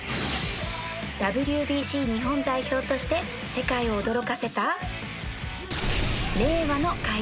ＷＢＣ 日本代表として世界を驚かせた